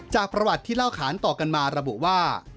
จากประวัติที่เล่าขานต่อกันมาระบุว่า